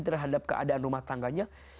terhadap keadaan rumah tangganya